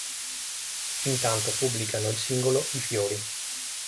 Intanto pubblicano il singolo "I fiori".